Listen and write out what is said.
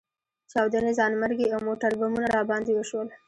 چاودنې، ځانمرګي او موټربمونه راباندې وشول.